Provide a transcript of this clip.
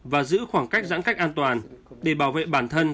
và giữ khoảng cách giãn cách an toàn để bảo vệ bản thân